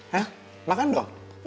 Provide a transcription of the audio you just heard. hah makan dong